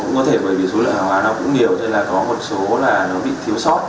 có thể bởi vì số lượng hàng hóa nó cũng nhiều nên là có một số là nó bị thiếu sót